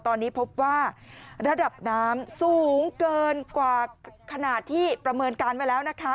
ตอนนี้พบว่าระดับน้ำสูงเกินกว่าขณะที่ประเมินการไว้แล้วนะคะ